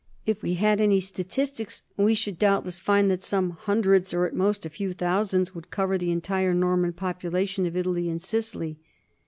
If we. had any statistics, we should doubtless find that some hundreds or at most a few thousands would cover the entire Nor man population of Italy and Sicily.